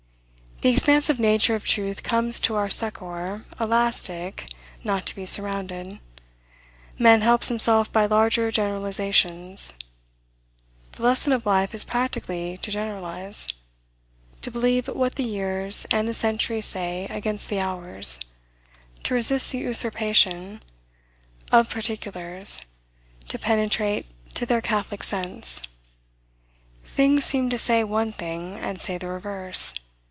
The expansive nature of truth comes to our succor, elastic, not to be surrounded. Man helps himself by larger generalizations. The lesson of life is practically to generalize; to believe what the years and the centuries say against the hours; to resist the usurpation of particulars; to penetrate to their catholic sense. Things seem to say one thing, and say the reverse.